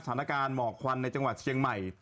สถานการณ์เหมาะควันในจังหวัดเชียงใหม่